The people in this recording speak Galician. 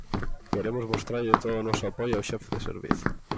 Queremos mostrarlle todo o noso apoio ao xefe de servizo.